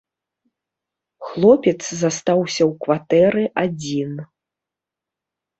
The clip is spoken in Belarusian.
Хлопец застаўся ў кватэры адзін.